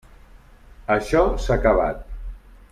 Això s'ha acabat.